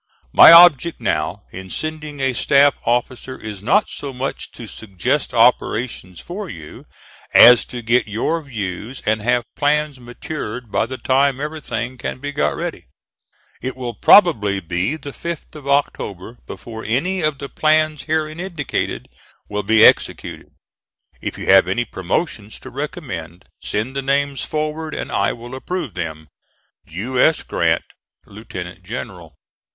My object now in sending a staff officer is not so much to suggest operations for you, as to get your views and have plans matured by the time everything can be got ready. It will probably be the 5th of October before any of the plans herein indicated will be executed. If you have any promotions to recommend, send the names forward and I will approve them. U. S. GRANT, Lieutenant General.